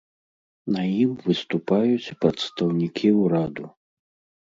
На ім выступаюць прадстаўнікі ўраду.